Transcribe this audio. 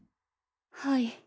はい。